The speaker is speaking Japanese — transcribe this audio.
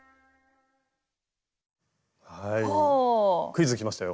クイズきましたよ。